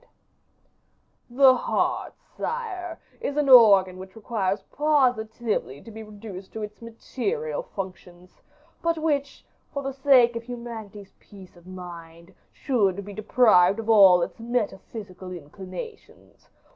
"The heart, sire, is an organ which requires positively to be reduced to its material functions, but which, for the sake of humanity's peace of mind, should be deprived of all its metaphysical inclinations.